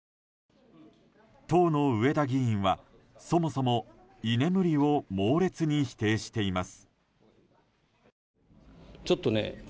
当の上田議員は、そもそも居眠りを猛烈に否定しています。